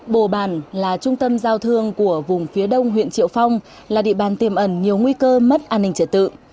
bồ bàn là trung tâm giao thương của vùng phía đông huyện triệu phong là địa bàn tiềm ẩn nhiều nguy cơ mất an ninh trật tự